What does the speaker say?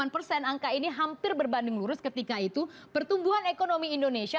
delapan persen angka ini hampir berbanding lurus ketika itu pertumbuhan ekonomi indonesia